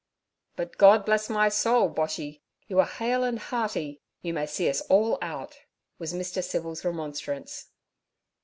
'But God bless my soul, Boshy! you are hale and hearty. You may see us all out' was Mr. Civil's remonstrance.